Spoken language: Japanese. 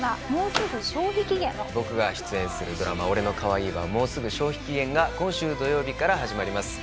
僕が出演するドラマ『俺の可愛いはもうすぐ消費期限！？』が今週土曜日から始まります。